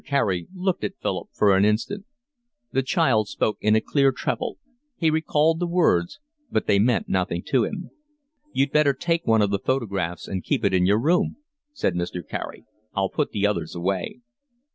Carey looked at Philip for an instant. The child spoke in a clear treble. He recalled the words, but they meant nothing to him. "You'd better take one of the photographs and keep it in your room," said Mr. Carey. "I'll put the others away."